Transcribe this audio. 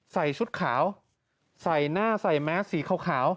ชุดขาวใส่หน้าใส่แมสสีขาว